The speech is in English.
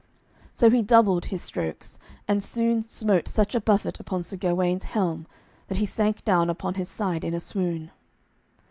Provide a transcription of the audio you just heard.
So he doubled his strokes, and soon smote such a buffet upon Sir Gawaine's helm that he sank down upon his side in a swoon.